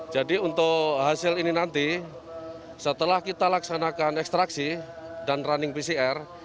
jadi untuk hasil ini nanti setelah kita laksanakan ekstraksi dan running pcr